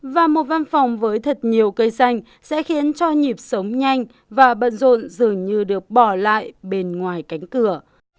và một văn phòng với thật nhiều cây xanh sẽ khiến cho nhịp sống nhanh và bận rộn dường như được bỏ lại bên ngoài cánh cửa